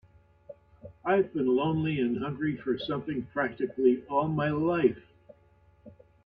I've been lonely and hungry for something practically all my life.